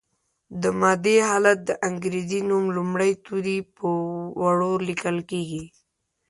د مادې حالت د انګریزي نوم لومړي توري په وړو لیکل کیږي.